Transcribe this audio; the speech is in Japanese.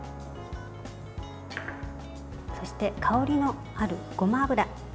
そして、香りのあるごま油。